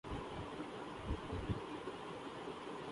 خیر جو بھی ہو ، ہماری ضرورت پوری کرنے کو کافی تھا